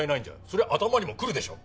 そりゃ頭にもくるでしょ。